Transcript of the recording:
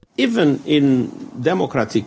walaupun di negara negara demokratik